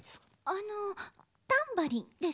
あのタンバリンですか。